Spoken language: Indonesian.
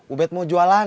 ubet mau jualan